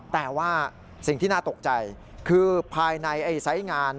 แต่ว่าสิ่งที่น่าตกใจคือภายในไซส์งาน